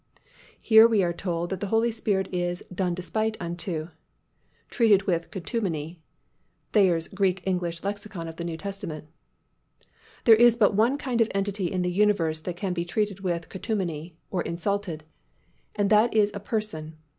Here we are told that the Holy Spirit is "done despite unto" ("treated with contumely"—Thayer's Greek English Lexicon of the New Testament). There is but one kind of entity in the universe that can be treated with contumely (or insulted) and that is a person.